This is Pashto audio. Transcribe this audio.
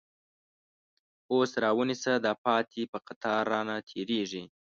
اوس را ونیسه دا پاتی، چه قطار رانه تیریږی